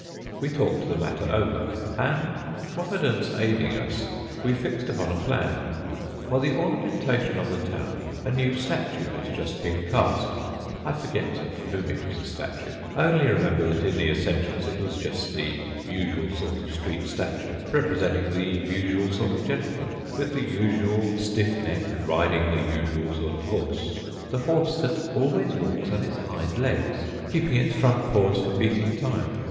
We talked the matter over, and, Providence aiding us, we fixed upon a plan. For the ornamentation of the town a new statue had just been cast. I forget of whom it was a statue. I only remember that in the essentials it was the usual sort of street statue, representing the usual sort of gentleman, with the usual stiff neck, riding the usual sort of horse the horse that always walks on its hind legs, keeping its front paws for beating time.